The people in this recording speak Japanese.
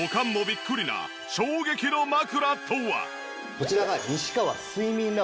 こちらが。